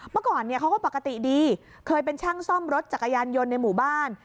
เมื่อก่อนเนี่ยเขาก็ปกติดีเคยเป็นช่างซ่อมรถจักรยานยนต์ในหมู่บ้าน